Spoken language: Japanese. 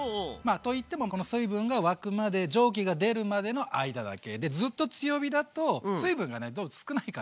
といってもこの水分が沸くまで蒸気が出るまでの間だけ。でずっと強火だと水分がね少ないから。